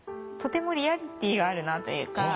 とてもリアリティーがあるなというか。